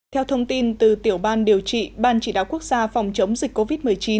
theo thông tin từ tiểu ban điều trị ban chỉ đạo quốc gia phòng chống dịch covid một mươi chín